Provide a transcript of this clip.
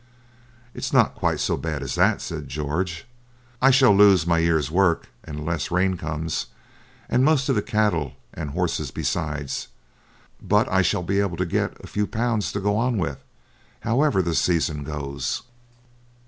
'It's not quite so bad as that,' said George. 'I shall lose my year's work unless rain comes, and most of the cattle and horses besides; but I shall be able to get a few pounds to go on with, however the season goes.'